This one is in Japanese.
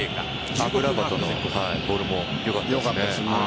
アムラバトのボールもよかったですね。